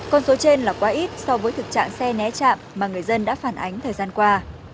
con số trên là quá ít so với thực trạng xe né chạm mà người dân đã phản ánh thời gian qua